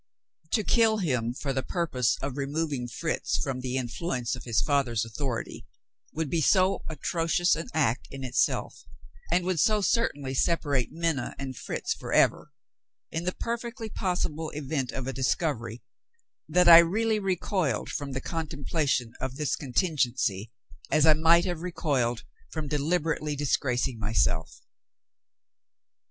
To kill him for the purpose of removing Fritz from the influence of his father's authority would be so atrocious an act in itself, and would so certainly separate Minna and Fritz for ever, in the perfectly possible event of a discovery, that I really recoiled from the contemplation of this contingency as I might have recoiled from deliberately disgracing myself.